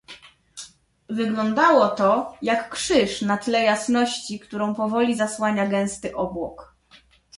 "Wyglądało to, jak krzyż na tle jasności, którą powoli zasłania gęsty obłok."